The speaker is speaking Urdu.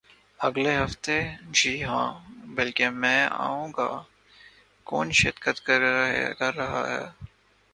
اگلے ہفتے؟ جی ہاں، بالکل میں آئوں گا. کون شرکت کر رہا ہے؟